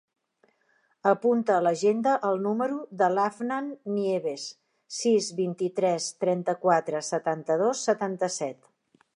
Apunta a l'agenda el número de l'Afnan Nieves: sis, vint-i-tres, trenta-quatre, setanta-dos, setanta-set.